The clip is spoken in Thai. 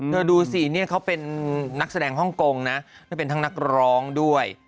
กันทีเขาเป็นนักแสดงฮ่องกงนะแต่เป็นทางนักร้องด้วย